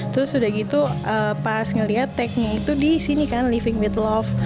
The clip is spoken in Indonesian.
terus udah gitu pas ngelihat tag nya itu di sini kan living with love